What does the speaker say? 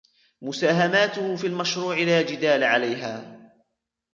مساهماته في المشروع لا جدال عليها.